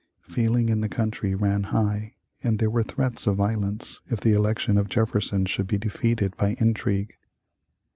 Feeling in the country ran high, and there were threats of violence if the election of Jefferson should be defeated by intrigue.